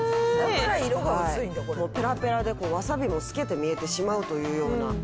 もうペラペラでわさびも透けて見えてしまうというような。